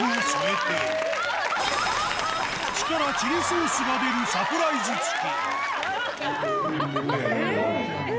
口からチリソースが出るサプライズ付き。